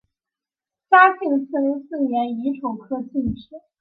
嘉靖四十四年乙丑科进士。